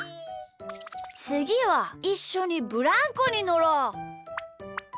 つぎはいっしょにブランコにのろう！